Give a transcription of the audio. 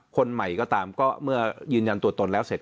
คนใหม่ก็ตามก็เมื่อยืนยันตัวตนแล้วเสร็จ